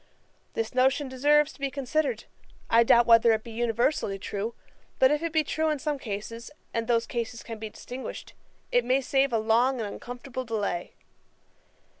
This notion deserves to be considered; I doubt whether it be universally true; but if it be true in some cases, and those cases can be distinguished, it may save a long and uncomfortable delay.